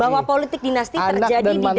bahwa politik dinasti terjadi di daerah daerah